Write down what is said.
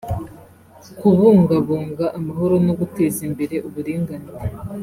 kubungabunga amahoro no guteza imbere uburinganire